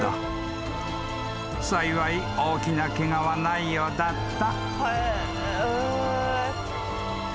［幸い大きなケガはないようだった］